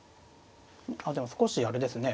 でも少しあれですね